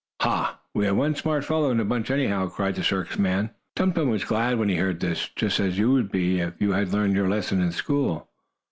"Ha! We have one smart fellow in the bunch, anyhow!" cried the circus man. Tum Tum was glad when he heard this, just as you would be, if you had learned your lesson in school.